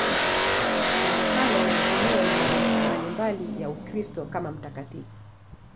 Tangu kale anaheshimiwa na madhehebu mbalimbali ya Ukristo kama mtakatifu.